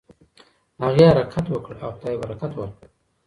هغې حرکت وکړ او خدای برکت ورکړ.